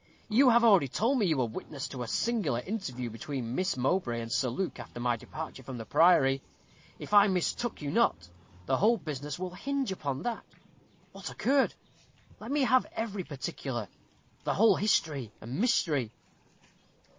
"You have already told me you were witness to a singular interview between Miss Mowbray and Sir Luke after my departure from the priory. If I mistook you not, the whole business will hinge upon that. What occurred? Let me have every particular. The whole history and mystery."